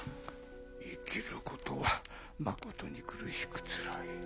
生きることはまことに苦しくつらい。